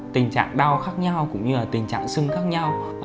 tình trạng đau khác nhau cũng như là tình trạng sưng khác nhau